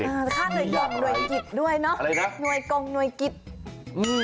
ข้าได้ดวงหน่วยกิจด้วยเนาะหน่วยกรงหน่วยกิจ